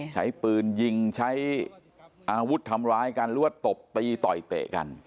ใช้ปืนยิงใช้อาวุธทำร้ายกันหรือว่าตบตีต่อยเตะกัน